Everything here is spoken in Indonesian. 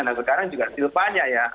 nah sekarang juga silpanya